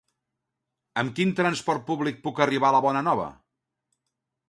Amb quin transport públic puc arribar a La Bonanova?